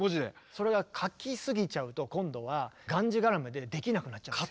それが書き過ぎちゃうと今度はがんじがらめでできなくなっちゃうんですよ。